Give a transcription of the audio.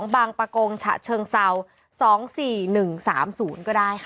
บางประกงฉะเชิงเซาสองสี่หนึ่งสามศูนย์ก็ได้ค่ะ